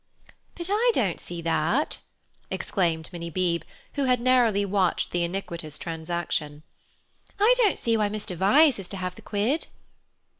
"But I don't see that!" exclaimed Minnie Beebe who had narrowly watched the iniquitous transaction. "I don't see why Mr. Vyse is to have the quid."